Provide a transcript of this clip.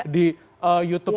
di youtube kan